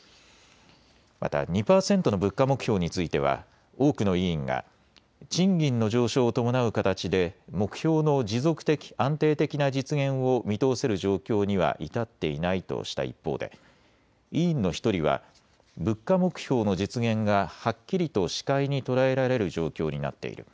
また２％の物価目標については多くの委員が賃金の上昇を伴う形で目標の持続的、安定的な実現を見通せる状況には至っていないとした一方で、委員の１人は物価目標の実現がはっきりと視界に捉えられる状況になっている。